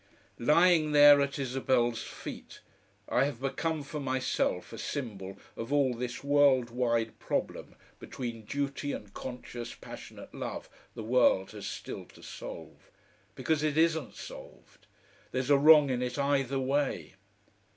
Lying there at Isabel's feet, I have become for myself a symbol of all this world wide problem between duty and conscious, passionate love the world has still to solve. Because it isn't solved; there's a wrong in it either way..